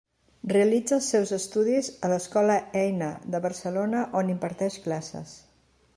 Realitza els seus estudis a l'Escola Eina de Barcelona on imparteix classes.